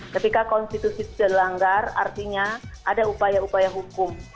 ketika konstitusi sudah dilanggar artinya ada upaya upaya hukum